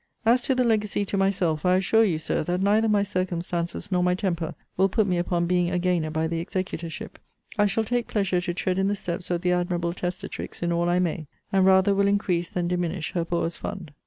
As to the legacy to myself, I assure you, Sir, that neither my circumstances nor my temper will put me upon being a gainer by the executorship. I shall take pleasure to tread in the steps of the admirable testatrix in all I may; and rather will increase than diminish her poor's fund.